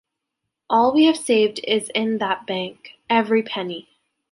All we have saved is in that bank — every penny.